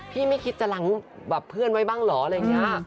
ไม่คิดจะหลังแบบเพื่อนไว้บ้างเหรออะไรอย่างนี้